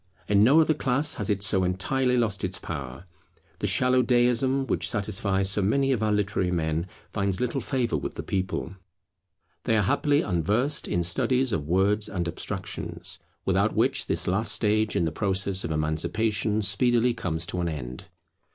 In no other class has it so entirely lost its power. The shallow deism, which satisfies so many of our literary men, finds little favour with the people. They are happily unversed in studies of words and abstractions, without which this last stage in the process of emancipation speedily comes to an end.